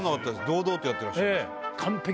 堂々とやってらした。